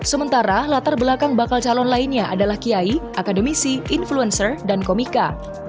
sementara latar belakang bakal calon lainnya adalah kiai akademisi influencer dan komika